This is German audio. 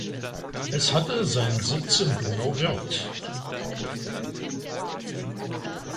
Es hatte seinen Sitz in Donauwörth.